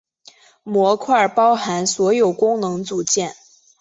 模块包含所有功能组件。